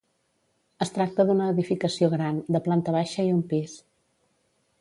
Es tracta d'una edificació gran, de planta baixa i un pis.